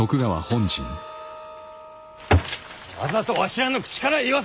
わざとわしらの口から言わせたんじゃ！